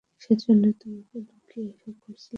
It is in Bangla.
সেজন্যই তোমাকে লুকিয়ে এসব করছিলাম আমি!